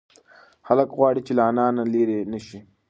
هلک غواړي چې له انا نه لرې نشي.